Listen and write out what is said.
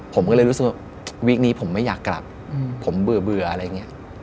ผมก็เลยรู้สึกว่าวีคนี้ผมไม่อยากกลับผมเบื่ออะไรอย่างนี้